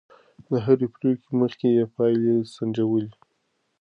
د هرې پرېکړې مخکې يې پايلې سنجولې.